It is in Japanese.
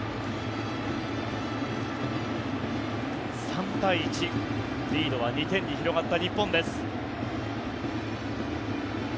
３対１、リードは２点に広がった日本です。